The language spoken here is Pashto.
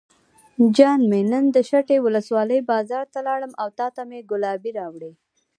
جان مې نن دشټي ولسوالۍ بازار ته لاړم او تاته مې ګلابي راوړې.